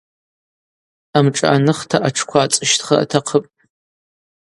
Амшӏы аныхта атшква ацӏыщтхра атахъыпӏ.